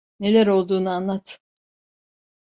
Neler olduğunu anlat.